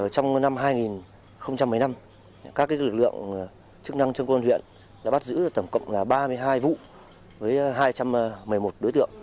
trong năm hai nghìn một mươi năm các lực lượng chức năng trong công an huyện đã bắt giữ tổng cộng ba mươi hai vụ với hai trăm một mươi một đối tượng